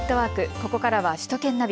ここからは首都圏ナビ。